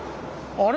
あれ？